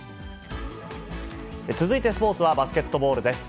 続いてスポーツはバスケットボールです。